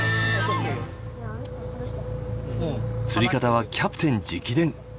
釣り方はキャプテン直伝。